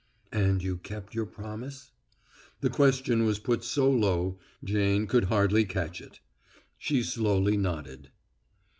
"And you kept your promise?" The question was put so low Jane could hardly catch it. She slowly nodded.